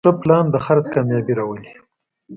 ښه پلان د خرڅ کامیابي راولي.